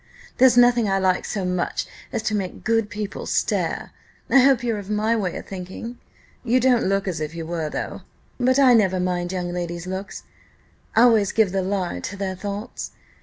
There's nothing I like so much as to make good people stare I hope you're of my way o' thinking you don't look as if you were, though; but I never mind young ladies' looks always give the lie to their thoughts.